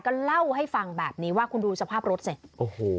ก็เล่าให้ฟังแบบนี้ว่าคุณดูสภาพรถเสร็จโอ้โห